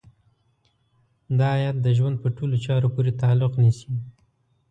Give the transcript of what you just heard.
دا ايت د ژوند په ټولو چارو پورې تعلق نيسي.